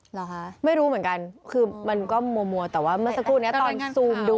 เหรอคะไม่รู้เหมือนกันคือมันก็มัวแต่ว่าเมื่อสักครู่นี้ตอนซูมดู